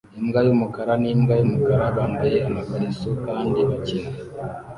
Imbwa yumukara nimbwa yumukara bambaye amakariso kandi bakina